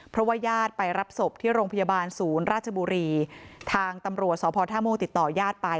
เพราะว่าญาติไปรับศพที่โรงพยาบาลศูนย์ราชบุรีทางตำรวจสพท่าม่วงติดต่อญาติไป